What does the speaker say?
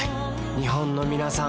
日本のみなさん